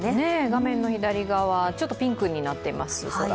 画面の左側、ちょっと空がピンクになっています。